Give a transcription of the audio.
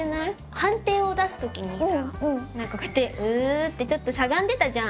判定を出すときにさなんかこうやってうってちょっとしゃがんでたじゃん。